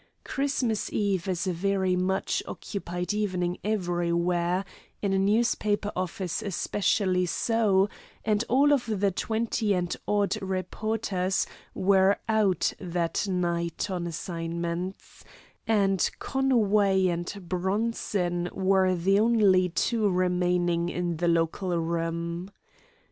Christmas Eve is a very much occupied evening everywhere, in a newspaper office especially so, and all of the twenty and odd reporters were out that night on assignments, and Conway and Bronson were the only two remaining in the local room.